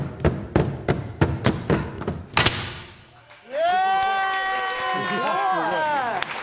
イエーイ！